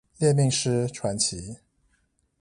獵命師傳奇